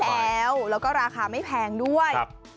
แล้วแล้วก็ราคาไม่แพงด้วย